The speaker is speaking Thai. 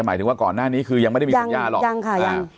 หมายถึงว่าก่อนหน้านี้คือยังไม่ได้มีสัญญาหรอกยังค่ะยัง